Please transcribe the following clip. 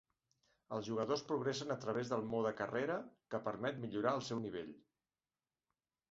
Els jugadors progressen a través del mode carrera que permet millorar el seu nivell.